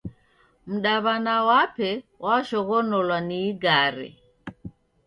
Mdaw'ana wape washoghonolwa ni igare.